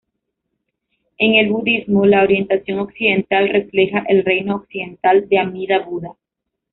En el budismo, la orientación occidental refleja el reino occidental de Amida Buda.